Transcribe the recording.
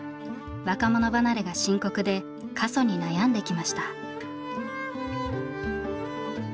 若者離れが深刻で過疎に悩んできました。